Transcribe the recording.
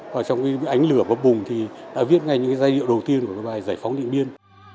và trong cái ánh lửa của bùng thì đã viết ngay những cái giai điệu đầu tiên của cái bài giải phóng điện biên